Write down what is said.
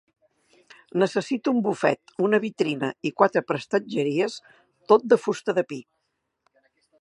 Necessito un bufet, una vitrina i quatre prestatgeries, tot de fusta de pi.